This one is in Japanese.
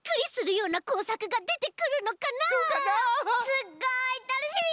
すっごいたのしみ！